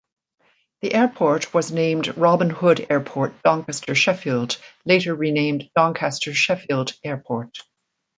The airport was named Robin Hood Airport Doncaster Sheffield, later renamed Doncaster Sheffield Airport.